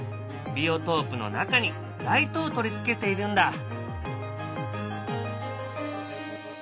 ビオトープの中にライトを取り付けているんだ。